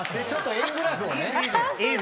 ちょっと。